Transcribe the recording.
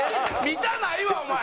見たないわお前！